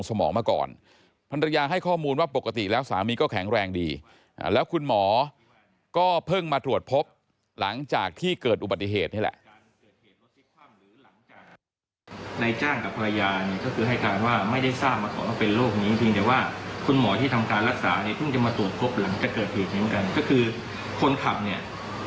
ก็คือคนขับเนี่ย